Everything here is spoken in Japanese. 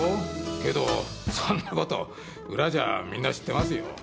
けどそんなこと裏じゃみんな知ってますよ。